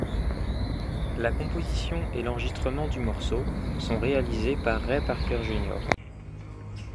La composition et l'enregistrement du morceau sont réalisés par Ray Parker, Jr.